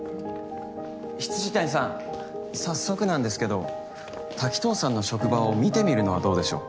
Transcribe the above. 未谷さん早速なんですけど滝藤さんの職場を見てみるのはどうでしょう？